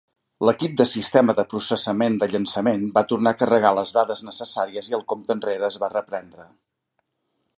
L'equip de Sistema de processament de llançament va tornar a carregar les dades necessàries i el compte enrere es va reprendre.